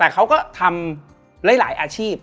แต่เขาก็ทำหลายอาชีพ